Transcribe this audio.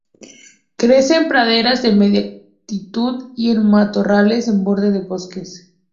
Crece en praderas de media altitud y en matorrales en borde de bosques.